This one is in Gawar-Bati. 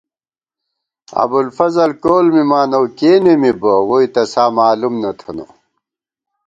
ابُوالفضل کول مِمان اؤ کېنےمِبہ ووئی تساں مالُوم نہ تھنہ